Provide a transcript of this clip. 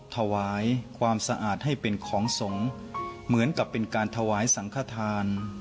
ถวายความสะอาดให้เป็นของสงฆ์เหมือนกับเป็นการถวายสังขทาน